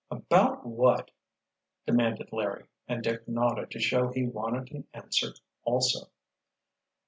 "About what?" demanded Larry, and Dick nodded to show he wanted an answer also.